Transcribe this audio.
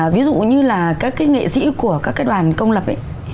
ví dụ như là các nghệ sĩ của các đoàn công lập